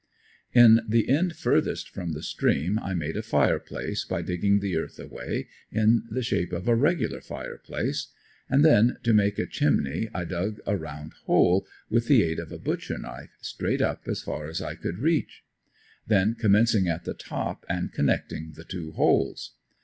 In the end furthest from the stream I made a fire place by digging the earth away in the shape of a regular fire place. And then to make a chimney I dug a round hole, with the aid of a butcher knife, straight up as far as I could reach; then commencing at the top and connecting the two holes.